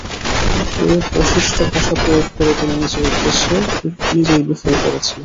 এরূপ অশিষ্ট ভাষা প্রয়োগ করে তিনি নিজের উদ্দেশ্য নিজেই বিফল করেছেন।